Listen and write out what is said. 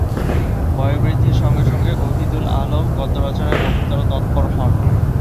বয়োবৃদ্ধির সঙ্গে সঙ্গে ওহীদুল আলম গদ্যরচনায় অধিকতর তৎপর হন।